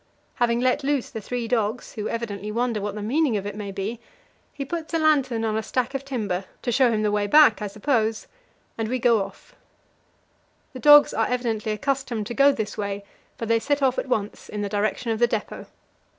Having let loose the three dogs, who evidently wonder what the meaning of it may be, he puts a lantern on a stack of timber to show him the way back, I suppose and we go off. The dogs are evidently accustomed to go this way, for they set off at once in the direction of the depot.